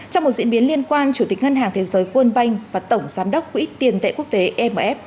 trong một diễn biến liên quan chủ tịch ngân hàng thế giới quân banh và tổng giám đốc quỹ tiền tệ quốc tế mf